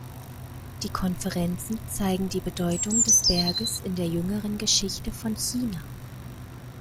Die Konferenzen zeigen die Bedeutung des Berges in der jüngeren Geschichte von China.